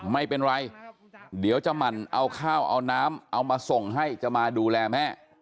ไม่เป็นไรเดี๋ยวจะหมั่นเอาข้าวเอาน้ำเอามาส่งให้จะมาดูแลแม่